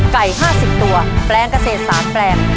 ไก่๕๐ตัวแปลงเกษตร๓แปลง